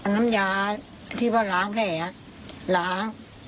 น้ำยาที่ว่าล้างแผลล้าง